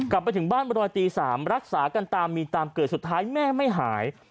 กลับไปถึงบ้านบรอยตี๓รักษากันตามมีตามเกิดสุดท้ายแม่ไม่หาย